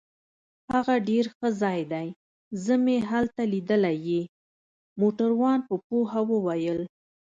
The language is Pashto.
هغه ډیر ښه ځای دی، زه مې هلته لیدلی يې. موټروان په پوهه وویل.